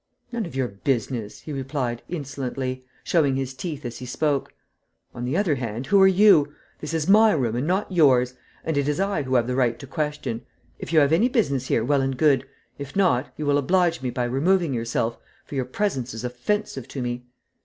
"None of your business," he replied, insolently, showing his teeth as he spoke. "On the other hand, who are you? This is my room, and not yours, and it is I who have the right to question. If you have any business here, well and good. If not, you will oblige me by removing yourself, for your presence is offensive to me."